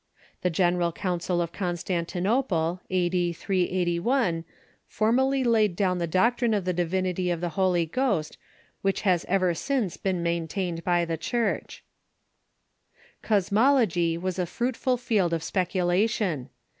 The General Coun cil of Constantinople, a.d. 381, formally laid down the doctrine 5 66 THE KAKLY CHUECH of the divinity of the Holy Ghost which lias ever since been maintained by the Churcli. Cosmology was a fruitful field of speculation.